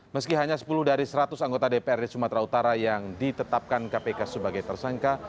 meski hanya sepuluh dari seratus anggota dprd sumatera utara yang ditetapkan kpk sebagai tersangka